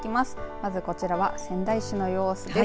まずこちらは仙台市の様子です。